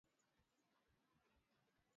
vyema Pia inajulikana kama majambazi ya maji